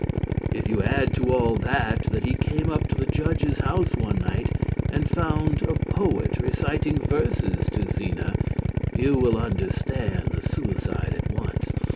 If you add to all that that he came up to the judge's house one night and found a poet reciting verses to Zena, you will understand the suicide at once.